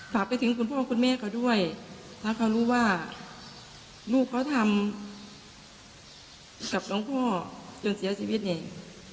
ฝากไปถึงคุณพ่อคุณแม่เขาด้วยถ้าเขารู้ว่าลูกเขาทำกับหลวงพ่อจนเสียชีวิตเนี่ย